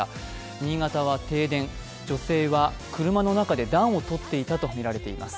新潟は停電、女性は車の中で暖を取っていたとみられています。